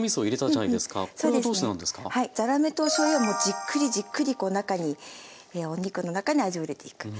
はいざらめとおしょうゆはもうじっくりじっくりお肉の中に味を入れていく。